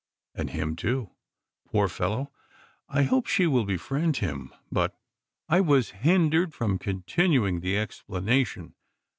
"And him too. Poor fellow! I hope she will befriend him; but " I was hindered from continuing the explanation.